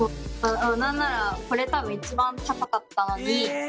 何ならこれ多分一番高かったのに。